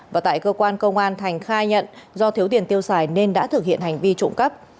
và tại cơ quan công an thành khai nhận do thiếu tiền tiêu xài nên đã thực hiện hành vi trộm cắp